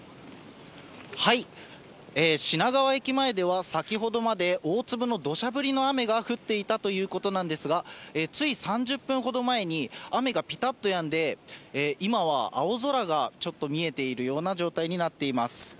品川駅前では、先ほどまで、大粒のどしゃ降りの雨が降っていたということなんですが、つい３０分ほど前に、雨がぴたっとやんで、今は青空がちょっと見えているような状態になっています。